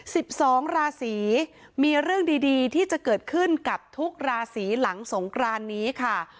สิบสองราศีมีเรื่องดีดีที่จะเกิดขึ้นกับทุกราศีหลังสงครานนี้ค่ะ